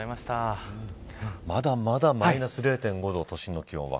まだまだ、マイナス０．５度都心の気温は。